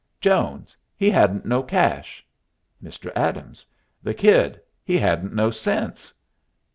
_ Jones, he hadn't no cash. Mr. Adams. The kid, he hadn't no sense.